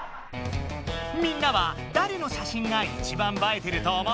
みんなはだれの写真がいちばん映えてると思う？